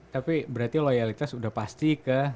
tapi berarti loyalitas sudah pasti ke